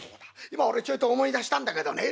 今俺ちょいと思い出したんだけどね